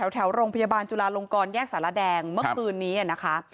แถวโรงพยาบาลจุลาลงกรแยกสารแดงเมื่อคืนนี้นะคะ